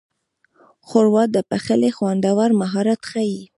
ښوروا د پخلي خوندور مهارت ښيي.